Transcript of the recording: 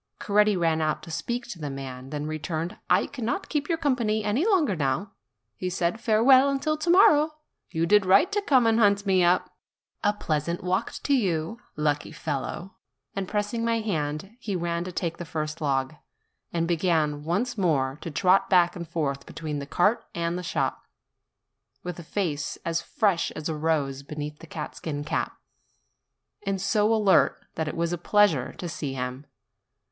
Coretti ran out to speak to the man, then re turned : "I cannot keep your company any longer now," he said; "farewell until to morrow. You did right to come and hunt me up. A pleasant walk to you! lucky fellow!" And pressing my hand, he ran to take the first log, and began once more to trot back and forth between the cart and the shop, with a face as fresh as a rose beneath his catskin cap, and so alert that it was a pleasure to see him.